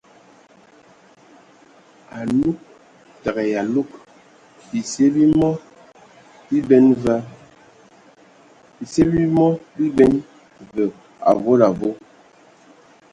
Alug təgə ai alugu ;bisie bi mɔ biben və avɔl avɔl.